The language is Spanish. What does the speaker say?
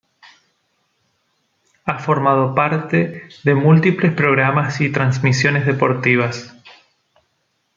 Ha formado parte de múltiples programas y transmisiones deportivas.